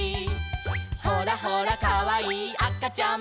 「ほらほらかわいいあかちゃんも」